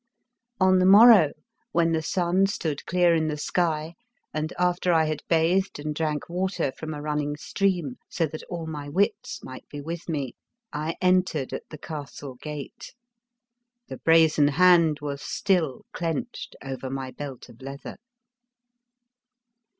On the morrow, when the sun stood clear in the sky, and after I had bathed and drank water from a running stream so that all my wits might be with me, I entered at the castle gate. The brazen hand was still clenched over my belt of leather.